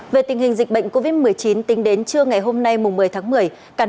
về tình hình dịch bệnh covid một mươi chín tính đến trưa ngày hôm nay một mươi tháng một mươi